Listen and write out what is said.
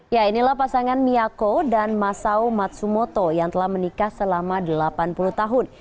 ya inilah pasangan miako dan masao matsumoto yang telah menikah selama delapan puluh tahun